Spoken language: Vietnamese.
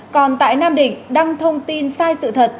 còn tại nam định đăng thông tin sai sự thật